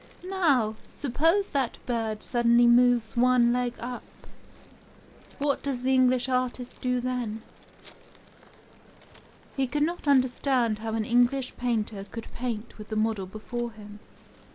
Now, suppose that bird suddenly moves one leg up — what does the English artist do then? " He could not understand how an English painter could paint with the model before him.